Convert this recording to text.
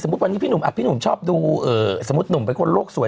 สมมุติวันนี้พี่หนุ่มอ่ะพี่หนุ่มชอบดูเอ่อสมมุติหนุ่มเป็นคนโลกสวย